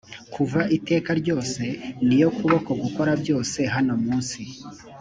kuva iteka ryose ni yo kuboko gukora byose hano mu nsi.